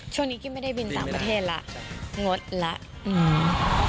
กี้ไม่ได้บินต่างประเทศแล้วงดแล้วอืม